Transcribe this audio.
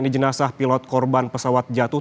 jenazah pilot korban pesawat jatuh